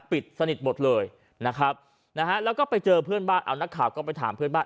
สนิทหมดเลยนะครับนะฮะแล้วก็ไปเจอเพื่อนบ้านเอานักข่าวก็ไปถามเพื่อนบ้าน